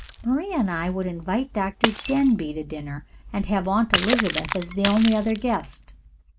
Maria and I would invite Dr. Denbigh to dinner and have Aunt Elizabeth as the only other guest.